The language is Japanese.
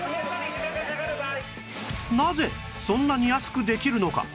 なぜそんなに安くできるのか？